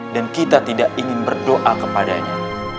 dan kita tidak ingin berdoa kepadanya